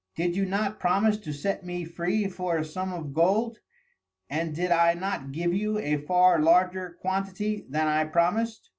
Did you not promise to set me free for a Sum of Gold. And did I not give you a far larger quantity than I promised?